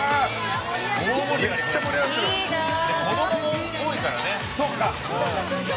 子供も多いからね。